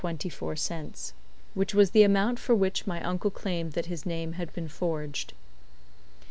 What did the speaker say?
24 which was the amount for which my uncle claimed that his name had been forged.